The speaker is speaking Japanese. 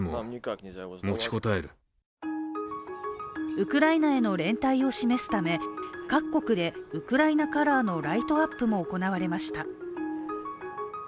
ウクライナへの連帯を示すため各国でウクライナカラーのライトアップも行われました。